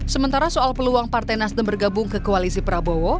sementara soal peluang partai nasdem bergabung ke koalisi prabowo